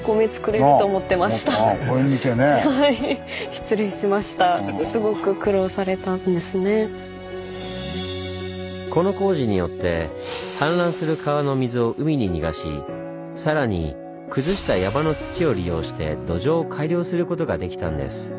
失礼しましたこの工事によって氾濫する川の水を海に逃がしさらに崩した山の土を利用して土壌を改良することができたんです。